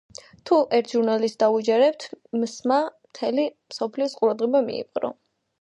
თუ ერთ ჟურნალისტს დავუჯერებთ, მსმ–მა მთელი მსოფლიოს ყურადღება მიიპყრო.